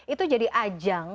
itu jadi ajang